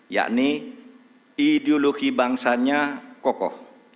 yakni ideologi bangsanya kokoh